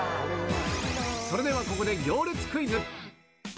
それではここで行列クイズ。